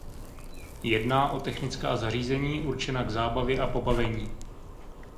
Jedná o technická zařízení určena k zábavě a pobavení.